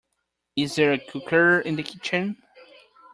Is there a cooker in the kitchen?